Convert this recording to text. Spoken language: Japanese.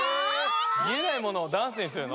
見えないものをダンスにするの？